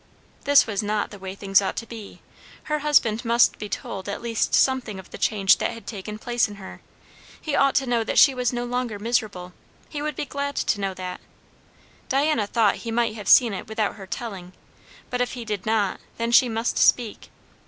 This was not the way things ought to be. Her husband must be told at least something of the change that had taken place in her; he ought to know that she was no longer miserable; he would be glad to know that. Diana thought he might have seen it without her telling; but if he did not, then she must speak.